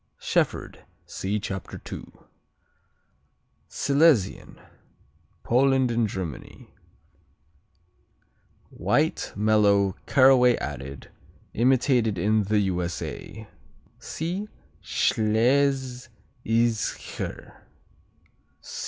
Shefford see Chapter 2. Silesian Poland and Germany White; mellow; caraway seeded. Imitated in the U.S.A. (see Schlesischer.)